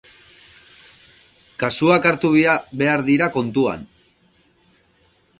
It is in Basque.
Kasuak hartu behar dira kontuan.